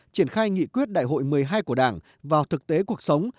triển khai nghị quyết đại hội một mươi hai của đảng vào thực tế cuộc sống